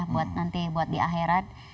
buat nanti di akhirat